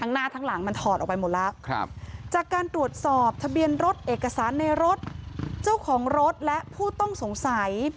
หน้าทั้งหลังมันถอดออกไปหมดแล้วครับจากการตรวจสอบทะเบียนรถเอกสารในรถเจ้าของรถและผู้ต้องสงสัย